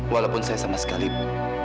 walaupun saya sama sekali tidak punya